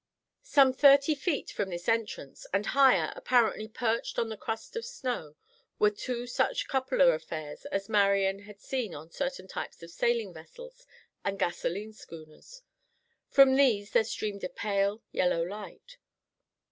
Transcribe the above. Some thirty feet from this entrance, and higher, apparently perched on the crust of snow, were two such cupola affairs as Marian had seen on certain types of sailing vessels and gasoline schooners. From these there streamed a pale yellow light.